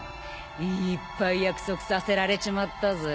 いーっぱい約束させられちまったぜ。